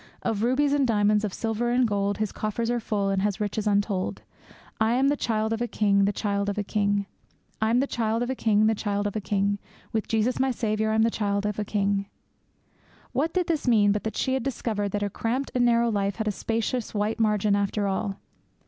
Of rubies and diamonds, of silver and gold, His coffers are full He has riches untold. I'm the child of a King! the child of a King! With Jesus my Saviour, I'm the child of a King! What did this mean but that she had discovered that her cramped and narrow life had a spacious white margin after all?